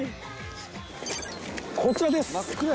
こちらです。